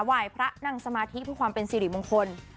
ไหว้พระนั่งสมาธิเพื่อความเป็นสิริมงคล